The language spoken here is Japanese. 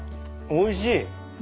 おいしい！